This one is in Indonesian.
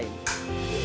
dan juga orang lain